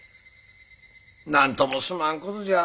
なんともすまんことじゃ。